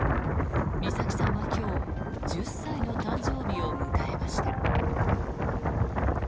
美咲さんは今日１０歳の誕生日を迎えました。